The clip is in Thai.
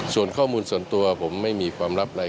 ส่วนข้อมูลส่วนตัวผมไม่มีความลับอะไร